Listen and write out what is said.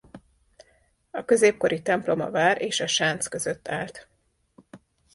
A középkori templom a vár és a sánc között állt.